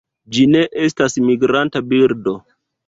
Ĝi ne estas migranta birdo.